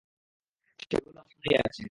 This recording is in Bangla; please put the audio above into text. সেগুলো আমার সামনেই আছে।